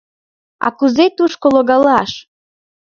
— А кузе тушко логалаш?